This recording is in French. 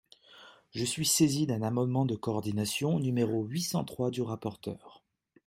Je suis saisi d’un amendement de coordination numéro huit cent trois du rapporteur.